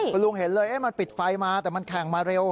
คุณลุงเห็นเลยมันปิดไฟมาแต่มันแข่งมาเร็ว